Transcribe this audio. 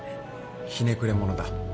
ひねくれ者だ。